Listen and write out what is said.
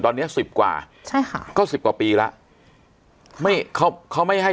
ตอนนี้สิบกว่าใช่ค่ะก็สิบกว่าปีแล้วไม่เขาเขาไม่ให้